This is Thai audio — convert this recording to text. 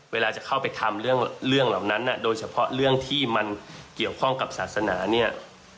เวลาจะเข้าไปทำเรื่องเหล่านั้นโดยเฉพาะเรื่องที่มันเกี่ยวข้องกับศาสนาเนี่ย